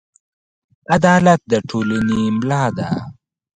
عدالت د ټولنې ملا ده.